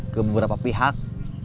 ke beberapa pihak